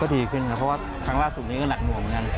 ก็ดีขึ้นครับเพราะว่าครั้งล่าสุดนี้เอิ้นหนักหน่วงอย่างนั้น